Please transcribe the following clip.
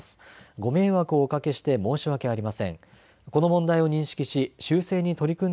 ご迷惑をおかけして申し訳ありません。